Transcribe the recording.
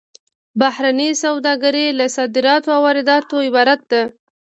بهرنۍ سوداګري له صادراتو او وارداتو عبارت ده